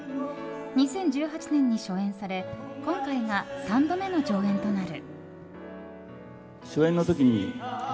２０１８年に初演され今回が３度目の上演となる。